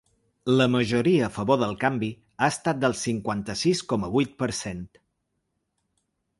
La majoria a favor del canvi ha estat del cinquanta-sis coma vuit per cent.